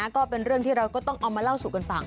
ก็เป็นเรื่องที่เราก็ต้องเอามาเล่าสู่กันฟัง